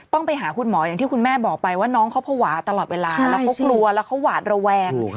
ต้องไปหาคุณหมออย่างที่คุณแม่บอกไปว่าน้องเขาภาวะตลอดเวลาแล้วเขากลัวแล้วเขาหวาดระแวง